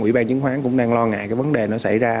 ủy ban chứng khoán cũng đang lo ngại cái vấn đề nó xảy ra